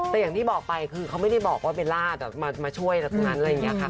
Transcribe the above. แต่อย่างที่บอกไปคือเขาไม่ได้บอกว่าเบลล่ามาช่วยตรงนั้นอะไรอย่างนี้ค่ะ